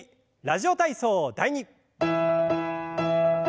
「ラジオ体操第２」。